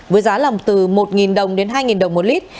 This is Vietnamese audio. với giá lầm từ một đồng đến hai đồng một lit